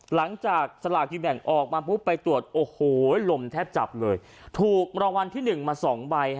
หลังจากสลากกินแบ่งออกมาปุ๊บไปตรวจโอ้โหลมแทบจับเลยถูกรางวัลที่๑มา๒ใบ